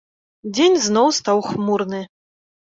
Дзень зноў стаў хмурны.